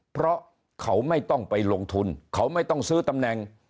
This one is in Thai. เพราะเขาไม่ต้องไปลงทุนเขาไม่ต้องซื้อตำแหน่ง